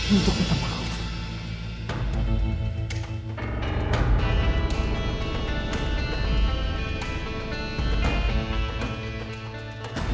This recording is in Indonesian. untuk minta maaf